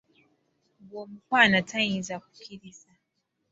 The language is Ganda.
Bw'omukwana tayinza kukiriza.